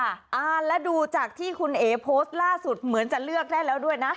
อ่าแล้วดูจากที่คุณเอ๋โพสต์ล่าสุดเหมือนจะเลือกได้แล้วด้วยนะ